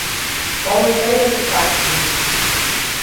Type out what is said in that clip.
Oliveira de Fátima